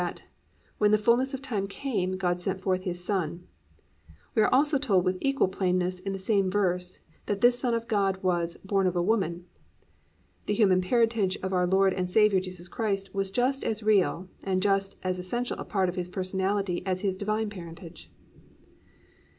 4:4 that +"When the fulness of the time came, God sent forth His Son,"+ we are also told with equal plainness in the same verse that this Son of God was "Born of a woman." The human parentage of our Lord and Saviour Jesus Christ was just as real and just as essential a part of His personality as His divine parentage.